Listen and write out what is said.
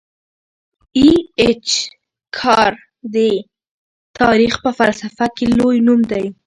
ای اېچ کار د تاریخ په فلسفه کي لوی نوم دی.